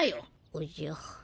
おじゃ。